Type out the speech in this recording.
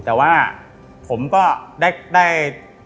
แต่ว่าผมก็ได้